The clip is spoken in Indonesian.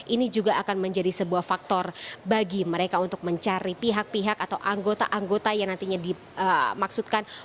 ini juga akan menjadi sebuah faktor bagi mereka untuk mencari pihak pihak atau karyawan yang lebih berkembang